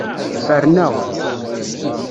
Ferneɣ.